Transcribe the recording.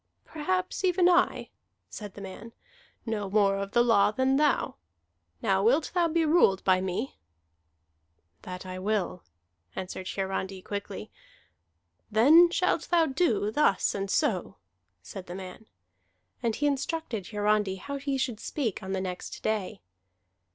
"Perhaps even I," said the man, "know more of the law than thou. Now wilt thou be ruled by me?" "That I will," answered Hiarandi quickly. "Then shalt thou do thus and so," said the man. And he instructed Hiarandi how he should speak on the next day.